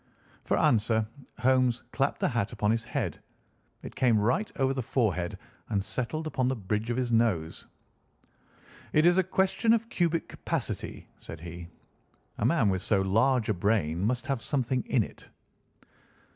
For answer Holmes clapped the hat upon his head. It came right over the forehead and settled upon the bridge of his nose. "It is a question of cubic capacity," said he; "a man with so large a brain must have something in it."